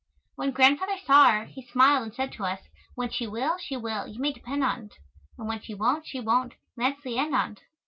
When Grandfather saw her, he smiled and said to us: "When she will, she will, you may depend on't; and when she won't she won't, and that's the end on't."